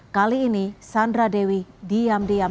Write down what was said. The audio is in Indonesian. kali ini sandra dewi diam diam